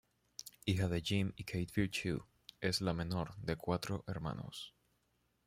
Hija de Jim y Kate Virtue, es la menor de cuatro hermanos.